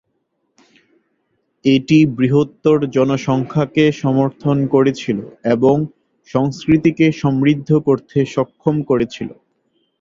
এটি বৃহত্তর জনসংখ্যাকে সমর্থন করেছিল এবং সংস্কৃতিকে সমৃদ্ধ করতে সক্ষম করেছিল।